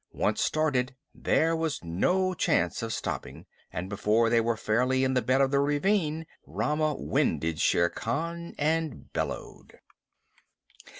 Once started, there was no chance of stopping, and before they were fairly in the bed of the ravine Rama winded Shere Khan and bellowed.